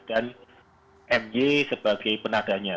dan mj sebagai penadanya